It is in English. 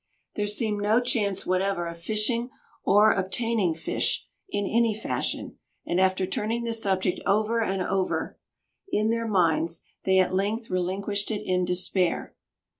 There seemed no chance whatever of fishing or obtaining fish in any fashion; and after turning the subject ever and over in their minds, they at length relinquished it in despair.